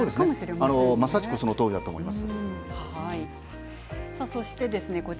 まさしくそのとおりだと思います。